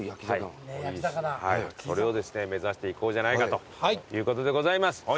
これをですね目指していこうじゃないかということでございます。